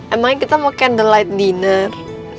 emangnya kita mau candlelight dinner